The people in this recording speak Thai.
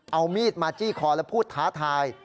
เอามีดมาจี้คอและพูดท้าทาย